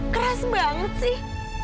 keras banget sih